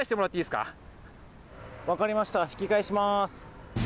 分かりました引き返します。